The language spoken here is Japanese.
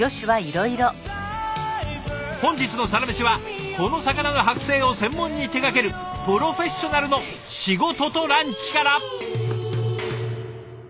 本日の「サラメシ」はこの魚の剥製を専門に手がけるプロフェッショナルの仕事とランチから。